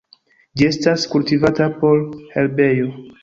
Ĝi estas kultivata por herbejo.